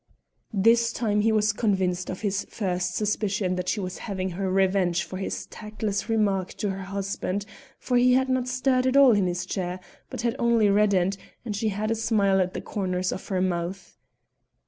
This time he was convinced of his first suspicion that she was having her revenge for his tactless remark to her husband, for he had not stirred at all in his chair, but had only reddened, and she had a smile at the corners of her mouth.